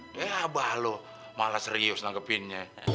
ya abah lo malah serius nanggepinnya